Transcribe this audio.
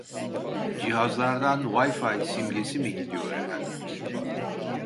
Cihazlardan wifi simgesi mi gidiyor efendim ?